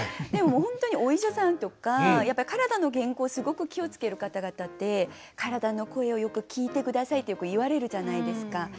でも本当にお医者さんとかやっぱり体の健康すごく気をつける方々って体の声をよく聞いて下さいってよく言われるじゃないですか。